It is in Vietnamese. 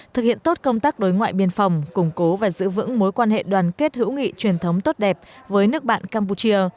thực hiện tốt công tác đối ngoại biên phòng củng cố và giữ vững mối quan hệ đoàn kết hữu nghị truyền thống tốt đẹp với nước bạn campuchia